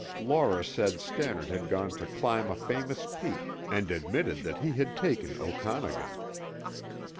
Laura said Stannard had gone to climb a famous peak and admitted that he had taken Okanagan.